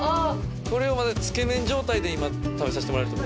これをつけ麺状態で今食べさせてもらえる。